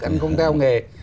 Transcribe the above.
anh không theo nghề